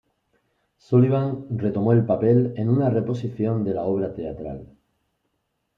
Sullivan retomó el papel en una reposición de la obra teatral.